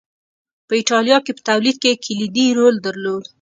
په اېټالیا کې په تولید کې یې کلیدي رول درلود